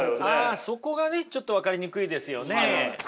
あそこがねちょっと分かりにくいですよね。